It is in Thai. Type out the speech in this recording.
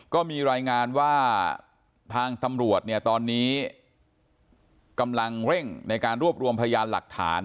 ก็มีรายงานว่าทางตำรวจเนี่ยตอนนี้กำลังเร่งในการรวบรวมพยานหลักฐาน